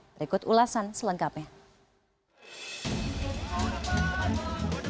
berikut ulasan selengkapnya